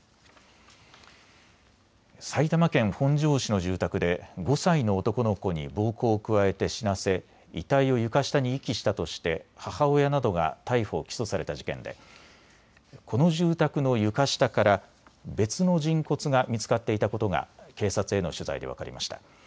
埼玉県本庄市の住宅で５歳の男の子に暴行を加えて死なせ遺体を床下に遺棄したとして母親などが逮捕・起訴された事件でこの住宅の床下から別の人骨が見つかっていたことが警察への取材で分かりました。